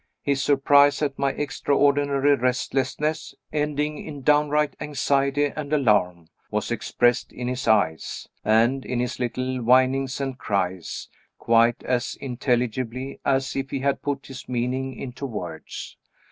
His surprise at my extraordinary restlessness (ending in downright anxiety and alarm) was expressed in his eyes, and in his little whinings and cries, quite as intelligibly as if he had put his meaning into words.